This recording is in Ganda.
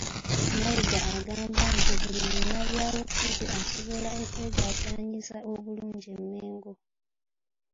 Mayiga agamba nti buli munnabyabufuzi asobola okwegazanyiza obulungi e Mmengo